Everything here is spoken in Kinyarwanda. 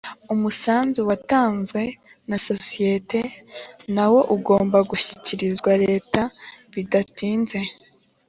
Umusanzu watanzwe nasosiyete nawo ugomba gushikirizwa leta bidatinze